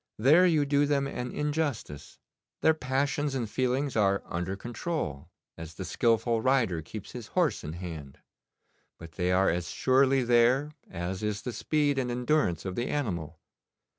'There you do them an injustice. Their passions and feelings are under control, as the skilful rider keeps his horse in hand; but they are as surely there as is the speed and endurance of the animal.